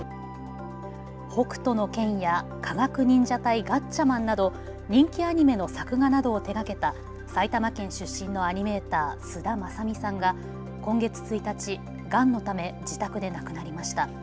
北斗の拳や科学忍者隊ガッチャマンなど人気アニメの作画などを手がけた埼玉県出身のアニメーター須田正己さんが今月１日、がんのため自宅で亡くなりました。